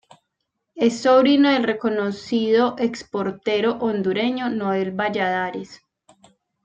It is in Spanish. Es sobrino del reconocido ex portero hondureño Noel Valladares.